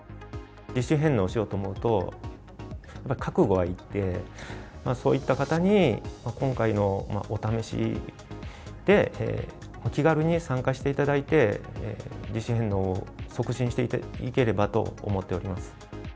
自主返納しようと思うと、やっぱ覚悟がいるので、そういった方に今回のお試しで、気軽に参加していただいて、自主返納を促進していければと思っております。